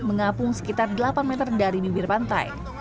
mengapung sekitar delapan meter dari bibir pantai